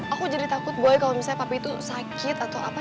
aku jadi takut boy kalau misalnya papa itu sakit atau apa